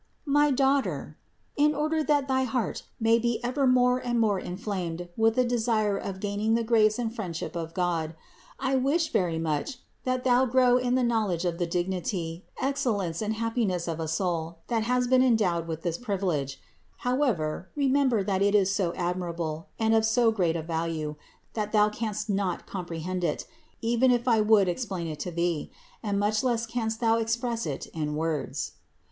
228. My daughter, in order that thy heart may be ever more and more inflamed with the desire of gaining the grace and friendship of God, I wish very much that thou grow in the knowledge of the dignity, excel lence and happiness of a soul, that has been endowed with this privilege; however, remember that it is so ad mirable and of so great a value that thou canst not com prehend it, even if I would explain it to thee ; and much less canst thou express it in words.